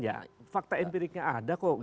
ya fakta empiriknya ada kok